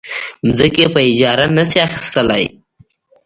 ځمکې په اجاره نه شي اخیستلی.